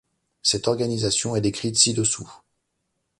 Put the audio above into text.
Cette organisation est décrite ci-dessous.